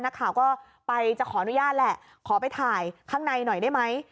นักข่าวก็ไปจะขออนุญาตแหละขอไปถ่ายข้างในหน่อยได้ไหม